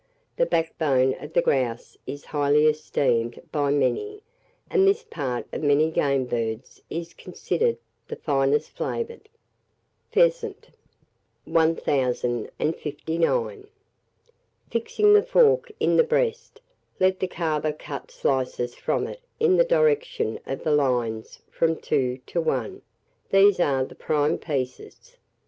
The backbone of the grouse is highly esteemed by many, and this part of many game birds is considered the finest flavoured. PHEASANT. [Illustration: ROAST PHEASANT.] 1059. Fixing the fork in the breast, let the carver cut slices from it in the direction of the lines from 2 to 1: these are the prime pieces.